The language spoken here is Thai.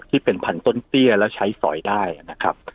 ที่เป็นพันต้นเตี้ยแล้วใช้สอยได้นะครับ